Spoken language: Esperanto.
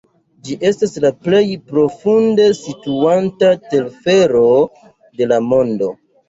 Ĝi estas la plej profunde situanta telfero de la mondo.